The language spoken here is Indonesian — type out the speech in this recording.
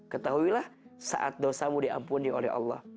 ketahuilah saat dosamu diampuni oleh allah